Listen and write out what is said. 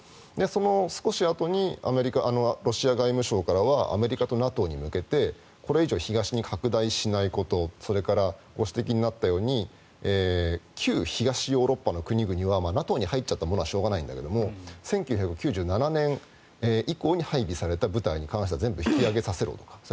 その少しあとにロシア外務省からはアメリカとＮＡＴＯへ向けてこれ以上、東に拡大しないことそれから、ご指摘になったように旧東ヨーロッパの国々はＮＡＴＯに入っちゃったものはしょうがないんだけれども１９９７年以降に配備された部隊に関しては全部引き揚げさせろとか。